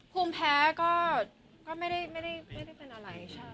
ภูมิแพ้ก็ไม่ได้เป็นอะไรใช่